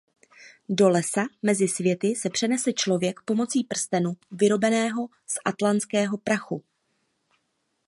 Do lesa mezi světy se přenese člověk pomocí prstenu vyrobeného z Atlantského prachu.